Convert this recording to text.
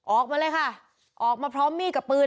ออกมาเลยค่ะออกมาพร้อมมีดกับปืน